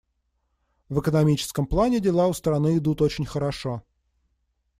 В экономическом плане дела у страны идут очень хорошо.